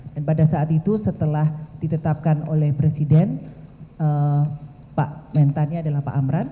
dan pada saat itu setelah ditetapkan oleh presiden pak menteri adalah pak amran